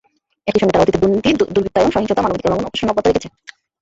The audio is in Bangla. একই সঙ্গে তারা অতীতের দুর্নীতি-দুর্বৃত্তায়ন, সহিংসতা, মানবাধিকার লঙ্ঘন, অপশাসন অব্যাহত রেখেছে।